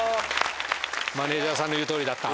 マネジャーさんの言う通りだった。